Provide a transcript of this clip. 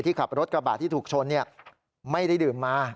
ขับรถกระบะที่ถูกชนไม่ได้ดื่มมา